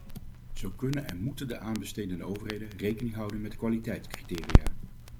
Zo kunnen en moeten de aanbestedende overheden rekening houden met de kwaliteitscriteria.